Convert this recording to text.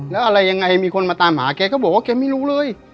แล้วอะไรยังไงมีคนมาตามหาแกก็บอกว่าแกไม่รู้เลย